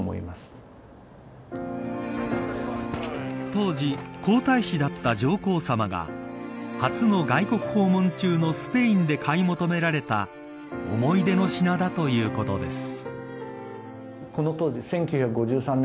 当時、皇太子だった上皇さまが初の外国訪問中のスペインで買い求められた思い出の品だということです。